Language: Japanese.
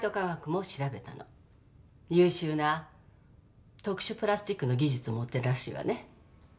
優秀な特殊プラスチックの技術を持ってるらしいわね。